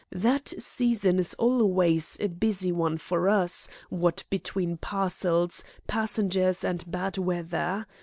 That season is always a busy one for us, what between parcels, passengers, and bad weather.